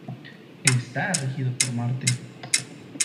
Está regido por Marte.